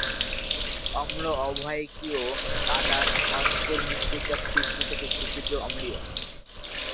অম্ল অববাহিকীয় কাদা-র অন্তর্মৃত্তিকা তীব্র থেকে সুতীব্র অম্লীয়।